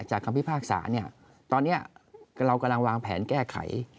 คำพิพากษาตอนนี้เรากำลังวางแผนแก้ไข